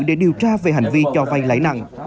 để điều tra về hành vi cho vay lãi nặng